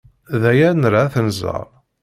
D aya ay nra ad t-nẓer.